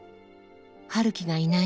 陽樹がいない